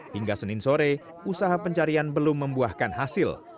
hingga senin sore usaha pencarian belum membuahkan hasil